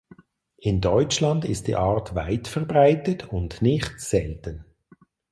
In Deutschland ist die Art weit verbreitet und nicht selten.